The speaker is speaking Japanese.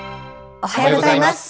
おはようございます。